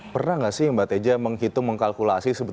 pernah nggak sih mbak teja menghitung mengkalkulasi